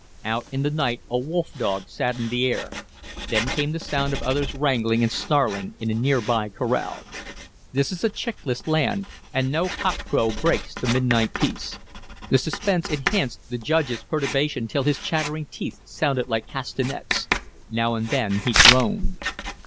Out in the night a wolfdog saddened the air, then came the sound of others wrangling and snarling in a near by corral. This is a chickless land and no cock crow breaks the midnight peace. The suspense enhanced the Judge's perturbation till his chattering teeth sounded like castanets. Now and then he groaned.